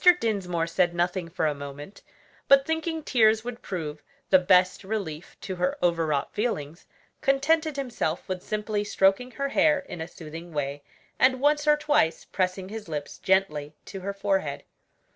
Dinsmore said nothing for a moment; but thinking tears would prove the best relief to her overwrought feelings, contented himself with simply stroking her hair in a soothing way, and once or twice pressing his lips gently to her forehead.